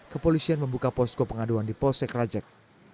kepolisian membuka posko pengaduan di polsek rajek